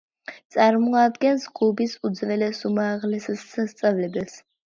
წარმოადგენს კუბის უძველეს უმაღლეს სასწავლებელს.